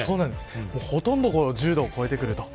ほとんど１０度を超えてくる。